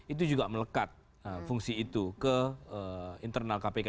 itu juga melekat fungsi itu ke internal kpk